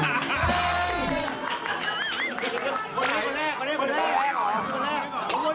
คนที่หลัง